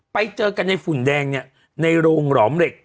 ไปเจอกันในฝุ่นแดงเนี่ยในโรงหลอมเหล็ก